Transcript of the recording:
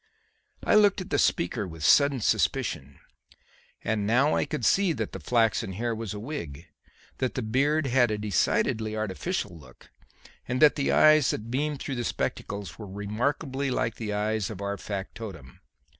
I looked at the speaker with sudden suspicion. And now I could see that the flaxen hair was a wig; that the beard had a decidedly artificial look, and that the eyes that beamed through the spectacles were remarkably like the eyes of our factotum.